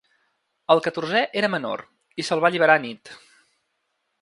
El catorzè era menor i se’l va alliberar anit.